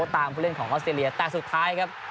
ผู้เล่นของออสเตรเลียแต่สุดท้ายครับ